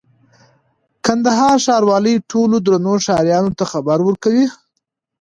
کندهار ښاروالي ټولو درنو ښاريانو ته خبر ورکوي: